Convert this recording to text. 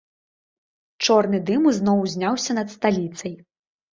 Чорны дым ізноў узняўся над сталіцай.